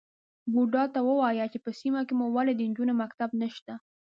_بوډا ته ووايه چې په سيمه کې مو ولې د نجونو مکتب نشته؟